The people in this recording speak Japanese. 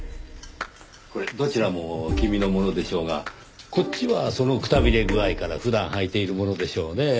これどちらも君のものでしょうがこっちはそのくたびれ具合から普段履いているものでしょうねぇ。